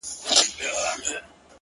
موږ په تيارو كي اوسېدلي يو تيارې خوښوو.!